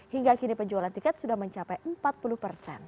hingga kini penjualan tiket sudah mencapai empat puluh persen